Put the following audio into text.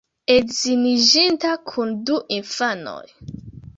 Edziniĝinta kun du infanoj.